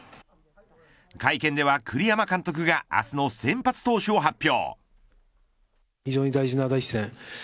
会見では栗山監督が明日の先発投手を発表。